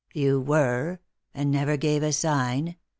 " You were f And never gave a sign